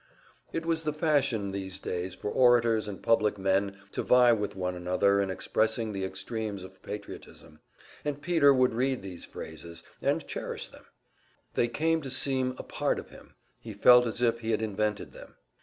It was the fashion these days for orators and public men to vie with one another in expressing the extremes of patriotism, and Peter would read these phrases, and cherish them; they came to seem a part of him, he felt as if he had invented them.